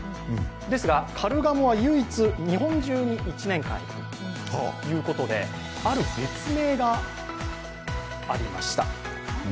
ですが、カルガモは唯一、日本中に１年間いるということで、ある別名がありました。